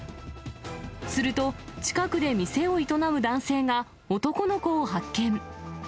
すると、近くで店を営む男性が男の子を発見。